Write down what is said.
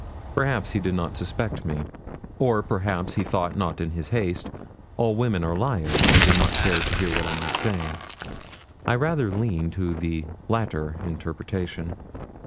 Perhaps he did not suspect me; or, perhaps, he thought, not in his haste, all women are liars, and did not care to hear what I might say. I rather lean to the latter interpretation.